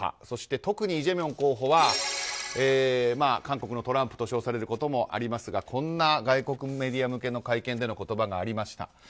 そして特にイ・ジェミョン候補は韓国のトランプと称されることもありますがこんな外国メディア向けの会見での言葉がありました。